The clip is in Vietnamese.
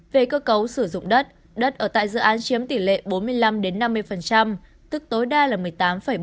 về cơ cấu sử dụng đất đất ở tại dự án chiếm tỷ lệ bốn mươi năm năm mươi tức tối đa là một mươi tám bốn mươi